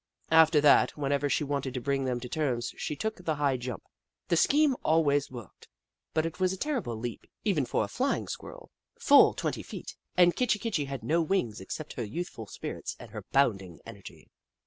After that, when ever she wanted to brino them to terms, she took the high jump. The scheme always worked, but it was a terrible leap, even for a Flying Squirrel, — fully twenty feet, — and Kit chi Kitchi had no wings except her youthful spirits and her bounding energy.